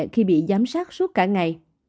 khi bị giám sát suốt cả ngày